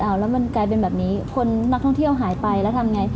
แล้วมันกลายเป็นแบบนี้คนนักท่องเที่ยวหายไปแล้วทำไง